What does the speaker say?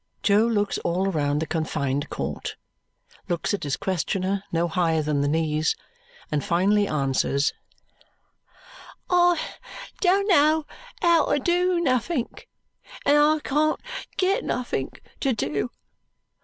Jo looks all round the confined court, looks at his questioner no higher than the knees, and finally answers, "I don't know how to do nothink, and I can't get nothink to do.